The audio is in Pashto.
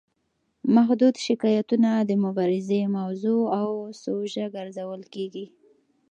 محدود شکایتونه د مبارزې موضوع او سوژه ګرځول کیږي.